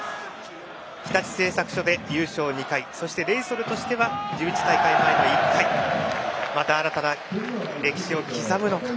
日立製作所で優勝２回そしてレイソルとしては１１大会前の１回また新たな歴史を刻むのか。